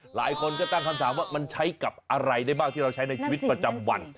หลายคนก็ตั้งคำถามว่ามันใช้กับอะไรได้บ้างที่เราใช้ในชีวิตประจำวัน